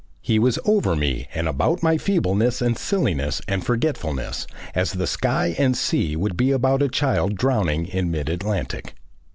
He was over me and about my feebleness and silliness and forgetfulness as the sky and sea would be about a child drowning in mid Atlantic.